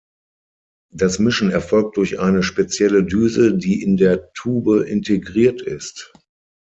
Das Mischen erfolgt durch eine spezielle Düse, die in der Tube integriert ist.